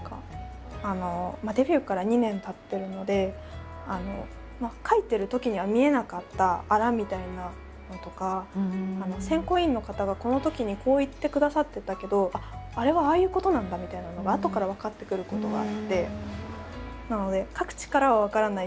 デビューから２年たってるので書いてるときには見えなかったあらみたいなのとか選考委員の方がこのときにこう言ってくださってたけどあっあれはああいうことなんだみたいなのがあとから分かってくることがあって。